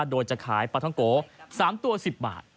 โดยจะขายปลาท้องโก๓ตัว๑๐บาท